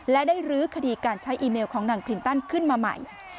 และได้รื้อคดีการใช้อีเมลของนางคลินตันขึ้นมาใหม่